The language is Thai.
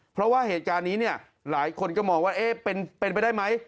เพราะว่าเหตุการณ์นี้เนี่ยหลายคนก็มองว่าเป็นไปได้ไหม